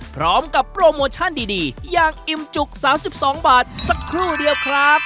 พร้อมกับโปรโมชั่นดีอย่างอิ่มจุก๓๒บาทสักครู่เดียวครับ